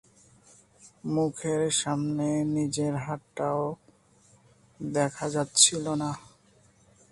মুখের সামনে নিজের হাতটাও দেখা যাচ্ছিল না।